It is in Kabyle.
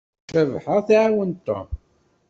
Cabḥa tɛawen Tom.